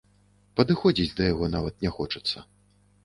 Падыходзіць да яго нават не хочацца.